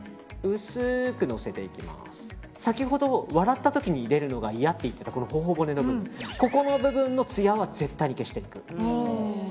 先ほど笑った時に出るのが嫌って言っていたほほ骨の部分、ここの部分のつやは絶対に消していく。